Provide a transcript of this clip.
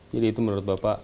jadi itu menurut bapak